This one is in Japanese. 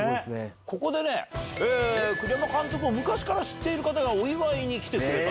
ここで栗山監督を昔から知っている方がお祝いに来てくれた。